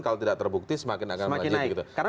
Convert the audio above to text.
kalau tidak terbukti semakin akan naik